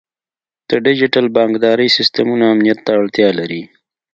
د ډیجیټل بانکدارۍ سیستمونه امنیت ته اړتیا لري.